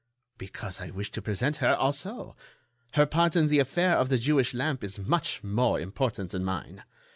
"Because I wish to present her also. Her part in the affair of the Jewish lamp is much more important than mine.